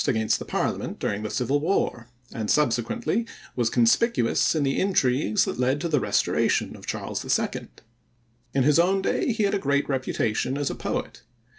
against the parliament during the Civil War, and subsequently was conspicuous in the intrigues that led to the restoration of Charles II. In his own day he had a great reputation as a poet.